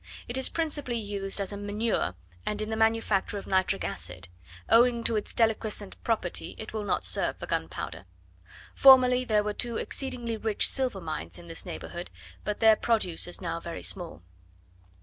It is principally used as a manure and in the manufacture of nitric acid: owing to its deliquescent property it will not serve for gunpowder. Formerly there were two exceedingly rich silver mines in this neighbourhood, but their produce is now very small.